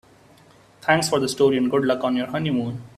Thanks for the story and good luck on your honeymoon.